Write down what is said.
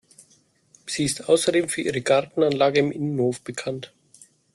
Sie ist außerdem für ihre Gartenanlage im Innenhof bekannt.